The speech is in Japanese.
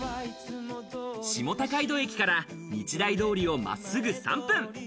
下高井戸駅から日大通りをまっすぐ３分。